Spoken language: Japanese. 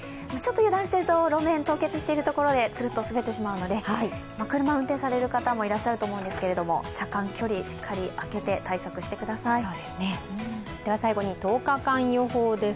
ちょっと油断すると路面、凍結しているところでつるっと滑ってしまうので、車を運転される方もいらっしゃると思うんですけど車間距離、しっかりあけて対策してください。